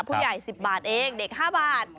ผู้ใหญ่๑๐บาทเองเด็ก๕บาท